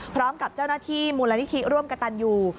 พร้อมกับเจ้าหน้าที่มูลนิธิร่วมกระตันอยู่